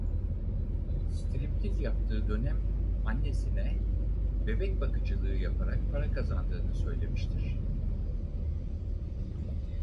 Striptiz yaptığı dönem annesine bebek bakıcılığı yaparak para kazandığını söylemiştir.